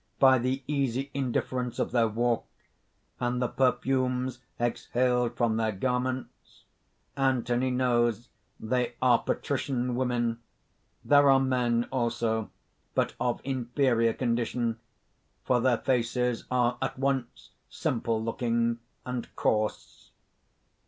By the easy indifference of their walk, and the perfumes exhaled from their garments, Anthony knows they are patrician women. There are men also, but of inferior condition; for their faces are at once simple looking and coarse.